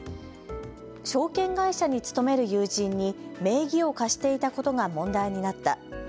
証券会社に勤める友人に名義を貸していたことが問題になった。